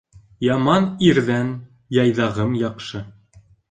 Яман ирҙән яйҙағым яҡшы.